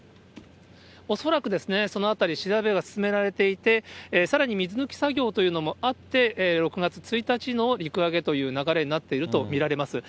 恐らくですね、そのあたり、調べが進められていて、さらに水抜き作業というのもあって、６月１日の陸揚げという流れになっていると見られます。